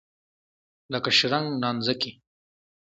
لکه شرنګ نانځکې.